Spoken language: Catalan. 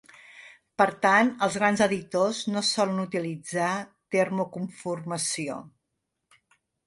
Per tant, els grans editors no solen utilitzar termocomformació.